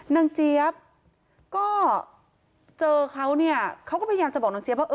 เจี๊ยบก็เจอเขาเนี่ยเขาก็พยายามจะบอกนางเจี๊ยว่า